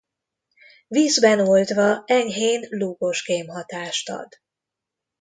Vízben oldva enyhén lúgos kémhatást ad.